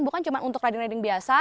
bukan cuma untuk ruding riding biasa